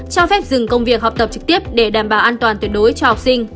cho phép dừng công việc học tập trực tiếp để đảm bảo an toàn tuyệt đối cho học sinh